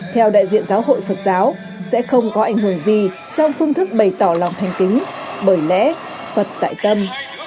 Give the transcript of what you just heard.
theo đại diện giáo hội phật giáo sẽ không có ảnh hưởng gì trong phương thức bày tỏ lòng thành kính bởi lẽ phật tại tâm